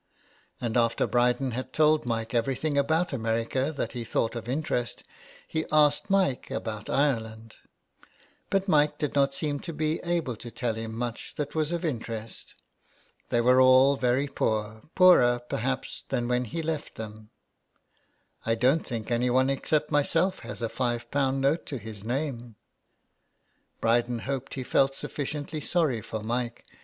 And after Bryden had told Mike everything about America that he thought of interest, he asked Mike about Ireland. But Mike did not seem to be able to tell him much that was of interest. They were all very poor — poorer, perhaps, than when he left them. " I don't think anyone except myself has a five pound note to his name/' Bryden hoped he felt sufficiently sorry for Mike.